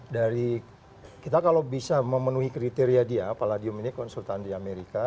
dari kita kalau bisa memenuhi kriteria dia paladium ini konsultan di amerika